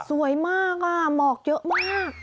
สวยมากอ่ะเหมาะเยอะมาก